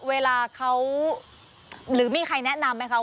เวลาเขาหรือมีใครแนะนำไหมคะ